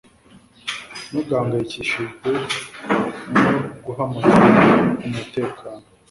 Ntugahangayikishijwe no guhamagara umutekano